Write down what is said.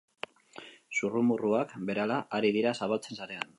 Zurrumurruak berehala ari dira zabaltzen sarean.